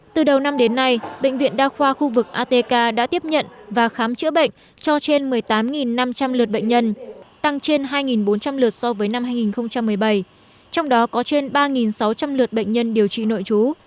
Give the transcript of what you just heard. từ đầu năm đến nay bệnh viện đa khoa khu vực atk đã tiếp nhận và khám chữa bệnh cho trên một mươi tám năm trăm linh lượt bệnh nhân tăng trên hai bốn trăm linh lượt so với năm hai nghìn một mươi bảy trong đó có trên ba sáu trăm linh lượt bệnh nhân điều trị nội trú